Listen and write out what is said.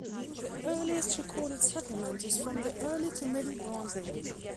The earliest recorded settlement is from the Early to Middle Bronze Age.